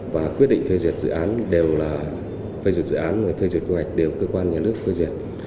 và quyết định phê duyệt dự án đều là phê duyệt dự án và phê duyệt quy hoạch đều cơ quan nhà nước phê duyệt